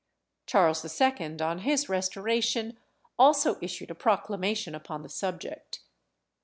Charles II., on his restoration, also issued a proclamation upon the subject.